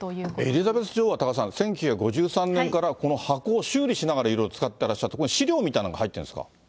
エリザベス女王は多賀さん、この箱を１９５３年から修理しながら使っていらっしゃって、これ、資料みたいなのが入ってるんですか。